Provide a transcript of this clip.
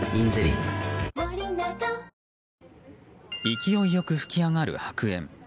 勢いよく噴き上がる白煙。